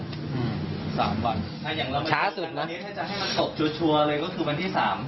จำนี้ถ้าจะให้มันตกชัดเลยก็จะตกวันที่๓